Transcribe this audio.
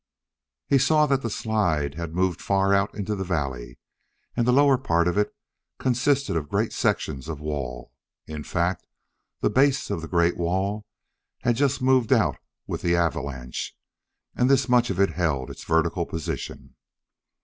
He saw that the slide had moved far out into the valley, and the lower part of it consisted of great sections of wall. In fact, the base of the great wall had just moved out with the avalanche, and this much of it held its vertical position.